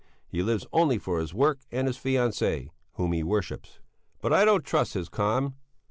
He lives only for his work and his fiancée, whom he worships. But I don't trust his calm.